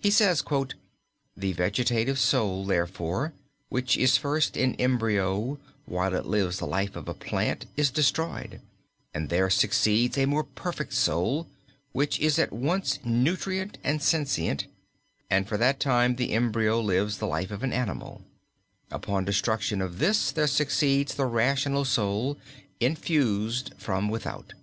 He said: "The vegetative soul, therefore, which is first in embryo, while it lives the life of a plant, is destroyed, and there succeeds a more perfect soul, which is at once nutrient and sentient, and for that time the embryo lives the life of an animal: upon the destruction of this there succeeds the rational soul, infused from without."